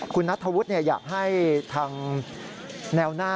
คุณภูริพัฒน์บุญนิน